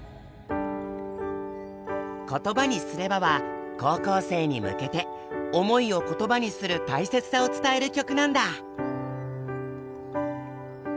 「言葉にすれば」は高校生に向けて思いを言葉にする大切さを伝える曲なんだ！